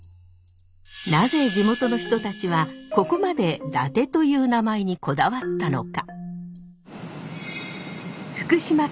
なぜ地元の人たちはここまで伊達という名前にこだわったのか？